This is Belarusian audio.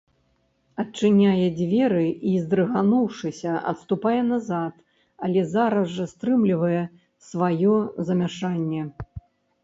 Адчыняе дзверы і, здрыгануўшыся, адступае назад, але зараз жа стрымлівае сваё замяшанне.